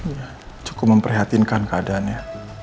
ya cukup memprihatinkan keadaannya